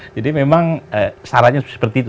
jadi memang syaratnya seperti itu